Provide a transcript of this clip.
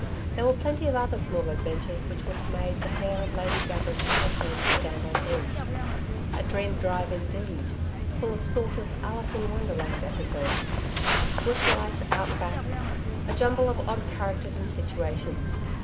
There were plenty of other small adventures which would have made the hair of Lady Gaverick and her friends stand on end. A dream drive indeed, full of sort of 'Alice in Wonderland' episodes. Bush life Out Back a jumble of odd characters and situations.